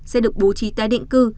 sẽ được bố trí tái định cư